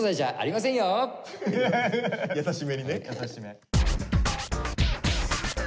優しめにね。